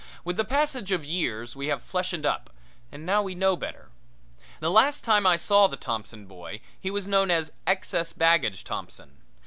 With the passage of years we have fleshened up, and now we know better. The last time I saw the Thompson boy he was known as Excess Baggage Thompson.